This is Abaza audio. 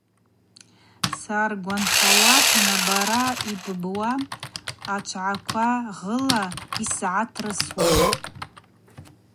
Саргванхауа санабара, йббуа, ачӏвгӏваква гыла йсзыгӏатрысуан.